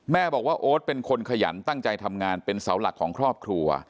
แม่บอกว่าโอ๊ตเป็นคนขยันตั้งใจทำงานเป็นเสาหลักของครอบครัว